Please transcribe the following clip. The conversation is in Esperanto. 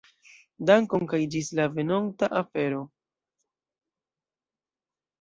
Dankon, kaj ĝis la venonta afero.